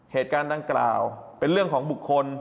เหตุการณ์ดังกล่าวเป็นเรื่องของบุคคล